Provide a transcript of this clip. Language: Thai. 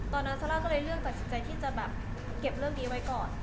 ซาร่าก็เลยเลือกตัดสินใจที่จะแบบเก็บเรื่องนี้ไว้ก่อน